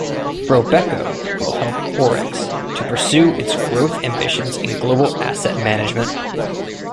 Robeco will help Orix to pursue its growth ambitions in global asset management.